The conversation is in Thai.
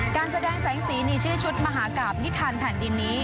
การแสดงแสงสีในชื่อชุดมหากราบนิทันแผ่นดินนี้